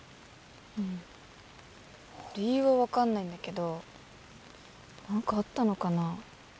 うん理由は分かんないんだけど何かあったのかな？